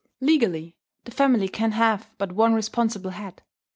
Legally, the family can have but one responsible head.